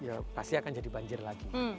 ya pasti akan jadi banjir lagi